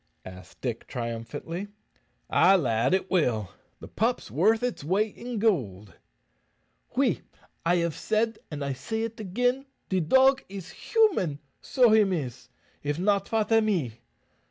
asked Dick, triumphantly. "Ay, lad, it will. The pup's worth its weight in goold." "Oui, I have said, and I say it agen, de dog is human, so him is. If not, fat am he?"